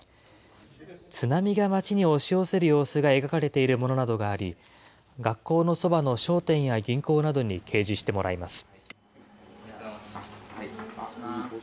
津波が町に押し寄せる様子が描かれているものなどがあり、学校のそばの商店や銀行などに掲示してもらいます。